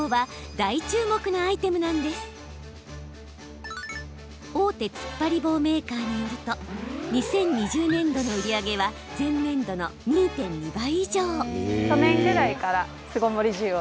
大手つっぱり棒メーカーによると２０２０年度の売り上げは前年度の２．２倍以上。